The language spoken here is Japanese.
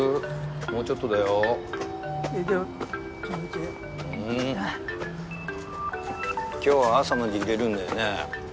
もうちょっとだよいけるうん今日は朝までいれるんだよね？